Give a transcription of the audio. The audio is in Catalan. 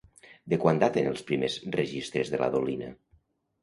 De quan daten els primers registres de la dolina?